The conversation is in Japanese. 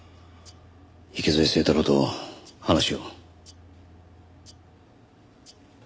池添清太郎と話を。